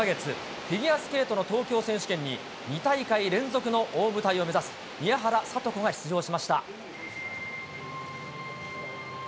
フィギュアスケートの東京選手権に２大会連続の大舞台を目指す宮原知子が出場しました。